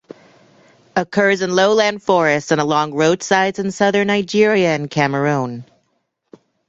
Occurs in lowland forests and along road sides in Southern Nigeria and Cameroun.